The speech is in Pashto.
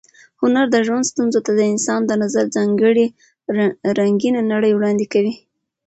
هنر د ژوند ستونزو ته د انسان د نظر ځانګړې رنګینه نړۍ وړاندې کوي.